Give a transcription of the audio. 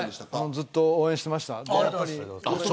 ずっと応援していました。